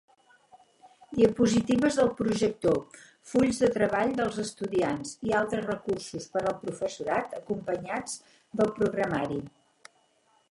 Diapositives del projector, fulls de treball dels estudiants i altres recursos per al professorat acompanyats del programari.